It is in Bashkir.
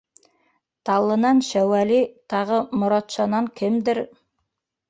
Таллынан Шәүәли, тағы Моратшанан кемдер.